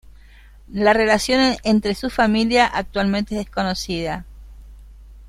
La relación entre su Familia actualmente es desconocida.